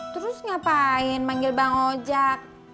terus ngapain manggil bang ojak